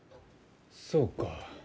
そうか。